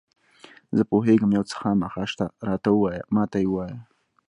زه پوهېږم یو څه خامخا شته، راته ووایه، ما ته یې ووایه.